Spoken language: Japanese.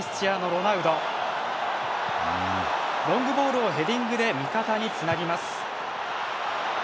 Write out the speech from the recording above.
ロングボールをヘディングで味方につなぎます。